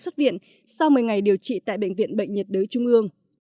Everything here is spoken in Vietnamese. bệnh viện đã xuất viện sau một mươi ngày điều trị tại bệnh viện bệnh nhiệt đới trung ương